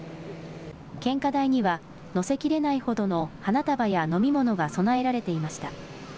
献花台には載せきれないほどの花束や飲み物が供えられていました。